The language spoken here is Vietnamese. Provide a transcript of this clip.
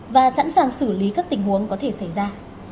và sẵn sàng xử lý các tình huống có thể xảy ra